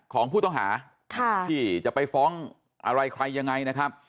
ของผู้ต้องหาที่จะไปฟ้องอะไรใครยังไงนะครับ